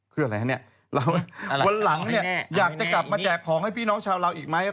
คืออะไรวะเนี่ย